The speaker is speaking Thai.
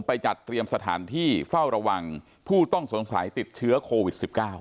จัดเตรียมสถานที่เฝ้าระวังผู้ต้องสงสัยติดเชื้อโควิด๑๙